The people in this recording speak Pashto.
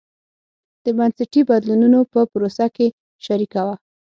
د بنسټي بدلونونو په پروسه کې شریکه وه.